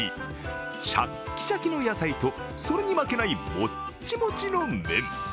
シャキシャキの野菜と、それに負けないモッチモチの麺。